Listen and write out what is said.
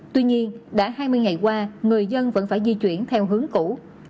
tuy nhiên đã hai mươi ngày qua người dân vẫn phải di chuyển theo hướng cũ